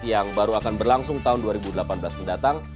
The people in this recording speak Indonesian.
yang baru akan berlangsung tahun dua ribu delapan belas mendatang